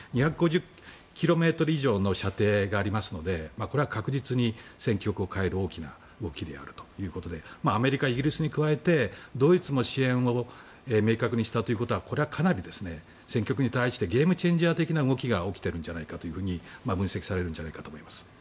それ以上に、２５０ｋｍ以上の射程がありますのでこれは確実に戦局を変える大きな動きであるということでアメリカ、イギリスに加えてドイツも支援を明確にしたということはかなり戦局に対してゲームチェンジャー的な動きが起きているんじゃないかと分析されるんじゃないかと思います。